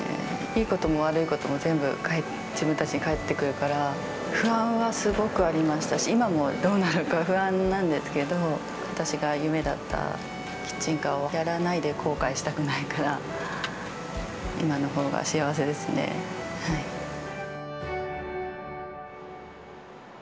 いいことも悪いことも、全部自分たちに返ってくるから、不安はすごくありましたし、今もどうなるか不安なんですけど、私が夢だったキッチンカーをやらないで後悔したくないから、今のほうが幸せですね。